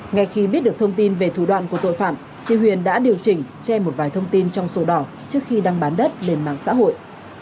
ngay khi biết được thông tin về thủ đoạn của tội phạm chị huyền đã điều chỉnh che một vài thông tin trong sổ đỏ trước khi đang bán đất lên mạng xã hội